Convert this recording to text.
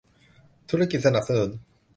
ธุรกิจสนับสนุน